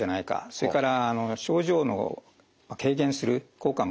それから症状を軽減する効果もあると。